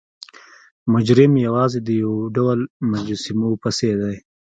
مجرم یوازې د یو ډول مجسمو پسې دی.